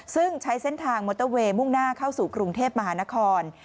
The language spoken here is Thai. ซึ่งใช้เส้นทางมอเตอร์เวย์มุ่งหน้าเข้าสู่กรุงเทพมหานคร